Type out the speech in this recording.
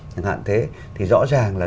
chẳng hạn thế thì rõ ràng là